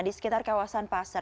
di sekitar kawasan pasar